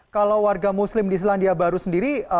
kalau warga muslim di selandia baru sendiri